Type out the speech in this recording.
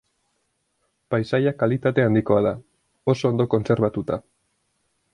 Paisaia kalitate handikoa da, oso ondo kontserbatuta.